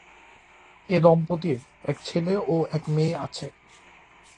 এ দম্পতির এক ছেলে ও এক মেয়ে আছে।